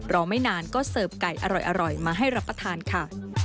ไม่นานก็เสิร์ฟไก่อร่อยมาให้รับประทานค่ะ